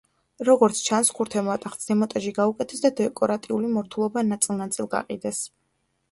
როგორც ჩანს, ქურთებმა ტახტს დემონტაჟი გაუკეთეს და დეკორატიული მორთულობა ნაწილ-ნაწილ გაყიდეს.